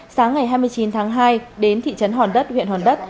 sáng ngày hai mươi chín tháng hai đến thị trấn hòn đất huyện hòn đất